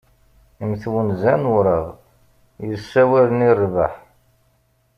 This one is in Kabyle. Mm twenza n ureɣ, yessawalen i rbeḥ.